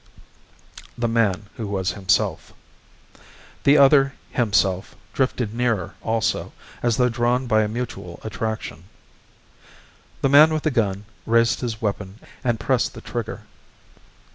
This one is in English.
The man who was himself. The other "himself" drifted nearer also, as though drawn by a mutual attraction. The man with the gun raised his weapon and pressed the trigger.